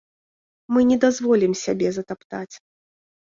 Мы не дазволім сябе затаптаць!